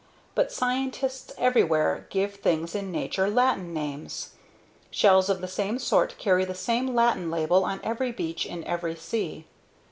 But scientists everywhere give things in nature Latin names. Shells of the same sort carry the same Latin label on every beach in every sea.